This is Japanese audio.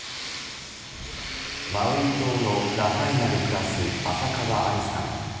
マウイ島のラハイナで暮らす浅川明海さん。